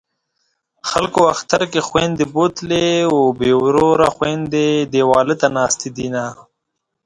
خلکو اختر کې خویندې بوتلې بې وروره خویندې دېواله ته ناستې دینه